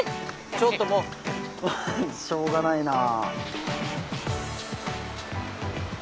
ちょっともうしょうがないなあ。